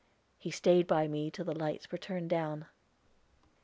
He stayed by me till the lights were turned down.